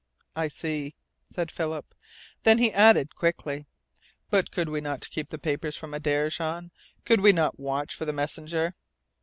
"I see," said Philip. Then he added, quickly "But could we not keep the papers from Adare, Jean? Could we not watch for the messenger?"